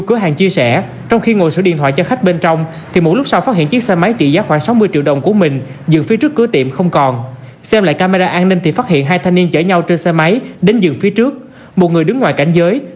chở nhau trên xe máy đến dường phía trước một người đứng ngoài cảnh giới